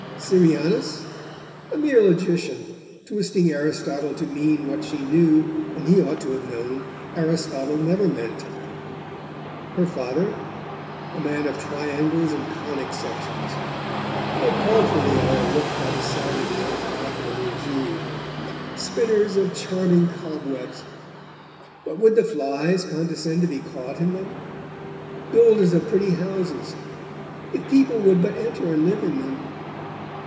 Syrianus? A mere logician, twisting Aristotle to mean what she knew, and he ought to have known, Aristotle never meant. Her father? A man of triangles and conic sections. How paltry they all looked by the side of the unfathomable Jew! Spinners of charming cobwebs..... But would the flies condescend to be caught in them? Builders of pretty houses..... If people would but enter and live in them!